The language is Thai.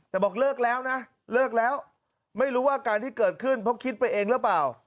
แต่บอกเลิกแล้วนะเลิกแล้วไม่รู้ว่าการที่เกิดขึ้นเพราะคิดไปเองหรือเปล่า